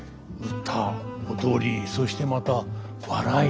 歌踊りそしてまた笑い。